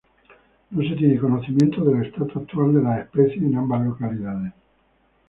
No se tiene conocimiento del estatus actual de la especie en ambas localidades.